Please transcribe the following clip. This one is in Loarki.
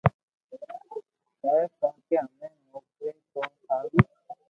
ھي ڪونڪھ ھمي نو ڪري تو ٿارو